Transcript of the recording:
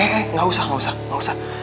eh eh gak usah gak usah gak usah